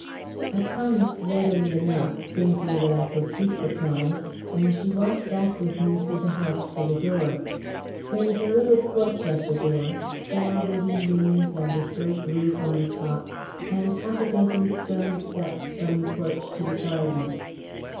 I promised readily enough, thinking that I could keep the promise, and she walked back with me through the house to the door. There is a little porch at the door, four wooden beams and a slate roof on the top, and half a dozen stone steps from the porch to the garden.